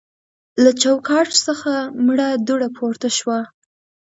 له چوکاټ څخه مړه دوړه پورته شوه.